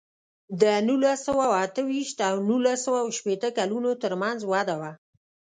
د نولس سوه اته ویشت او نولس سوه شپېته کلونو ترمنځ وده وه.